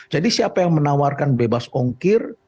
jadi siapa yang menawarkan bebas ongkir